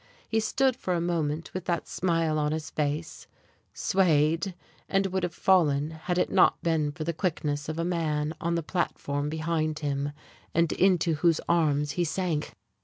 He stood for a moment with that smile on his face swayed, and would have fallen had it not been for the quickness of a man on the platform behind him, and into whose arms he sank.